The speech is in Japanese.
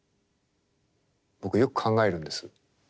僕よく考えるんです。